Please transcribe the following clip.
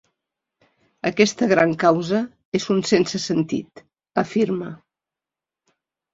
Aquesta gran causa és un sense sentit, afirma.